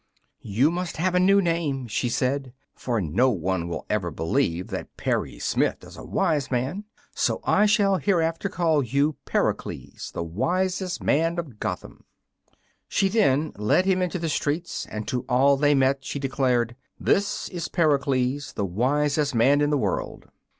"You must have a new name," she said, "for no one will ever believe that Perry Smith is a Wise Man. So I shall hereafter call you Pericles, the Wisest Man of Gotham!" She then led him into the streets, and to all they met she declared, "This is Pericles, the wisest man in the world."